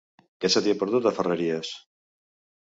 Què se t'hi ha perdut, a Ferreries?